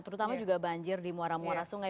terutama juga banjir di muara muara sungai